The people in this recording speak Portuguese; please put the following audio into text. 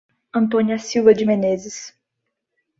Antônia Silva de Meneses